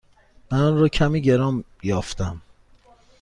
من آن را کمی گران یافتم.